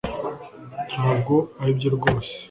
ntabwo aribyo ryose